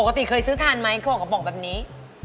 ปกติเคยซื้อทันไหมของกระป๋องแบบนี้